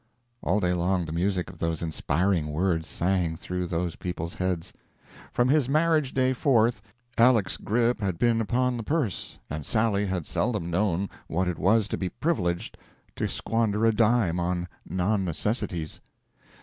All day long the music of those inspiring words sang through those people's heads. From his marriage day forth, Aleck's grip had been upon the purse, and Sally had seldom known what it was to be privileged to squander a dime on non necessities.